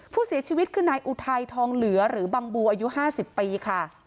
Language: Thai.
ผู้เสียชีวิตคือนายอุทัยทองเหลือหรือบังบูอายุ๕๐ปีค่ะ